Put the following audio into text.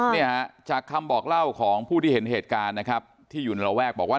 เนี่ยฮะจากคำบอกเล่าของผู้ที่เห็นเหตุการณ์นะครับที่อยู่ในระแวกบอกว่า